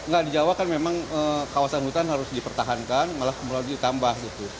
nggak di jawa kan memang kawasan hutan harus dipertahankan malah ditambah gitu